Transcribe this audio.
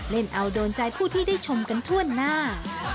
เล่นเอาโดนใจผู้ที่ได้ชมกันทั่วหน้า